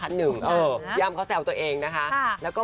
ย่ามเขาแซวตัวเองนะคะ